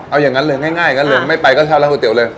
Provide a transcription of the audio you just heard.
เอาอย่างงั้นเลยง่ายไม่ไปก็เช่าร้านก๋วยเตี๋ยวเลย